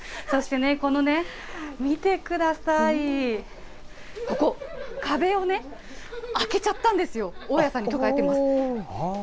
そしてね、このね、見てください、ここ、壁をね、開けちゃったんですよ、大家さんに許可得てます。